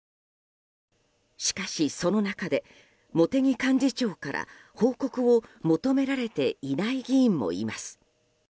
しかし、その中で茂木幹事長から報告を求められていない議員もいます。